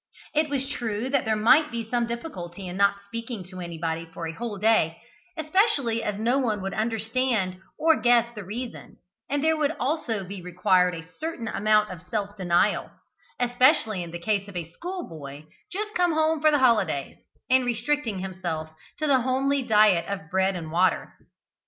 It was true that there might be some difficulty in not speaking to anybody for a whole day, especially as no one would understand or guess the reason, and there would also be required a certain amount of self denial especially in the case of a schoolboy just come home for the holidays in restricting himself to the homely diet of bread and water.